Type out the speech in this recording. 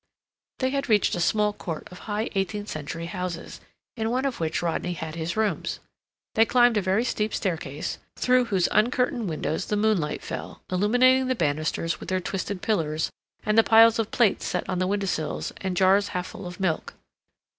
They had reached a small court of high eighteenth century houses, in one of which Rodney had his rooms. They climbed a very steep staircase, through whose uncurtained windows the moonlight fell, illuminating the banisters with their twisted pillars, and the piles of plates set on the window sills, and jars half full of milk.